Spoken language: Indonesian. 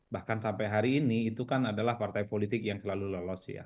bahkan sampai hari ini itu kan adalah partai politik yang selalu lolos ya